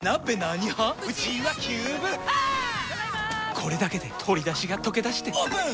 これだけで鶏だしがとけだしてオープン！